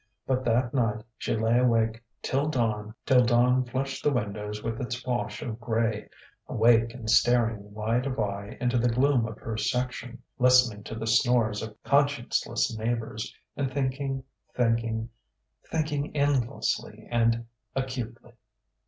But that night she lay awake till dawn flushed the windows with its wash of grey, awake and staring wide of eye into the gloom of her section, listening to the snores of conscienceless neighbours, and thinking, thinking thinking endlessly and acutely.